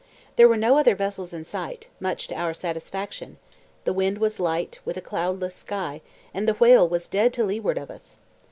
There were no other vessels in sight, much to our satisfaction, the wind was light, with a cloudless sky, and the whale was dead to leeward of us.